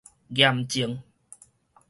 嚴正